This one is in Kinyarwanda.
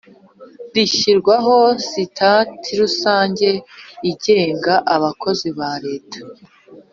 rishyiraho sitati rusange igenga abakozi ba Leta